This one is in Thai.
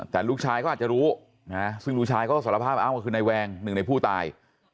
แต่ลูกชายก็อาจจะรู้ซึ่งลูกชายก็สารภาพอ้างว่าคือนายแวงหนึ่งในผู้ตาย